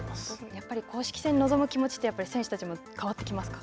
やっぱり公式戦に臨む気持ちって、選手たちも変わってきますか。